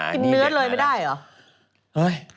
กินเนื้อเลยไม่ได้เหรอ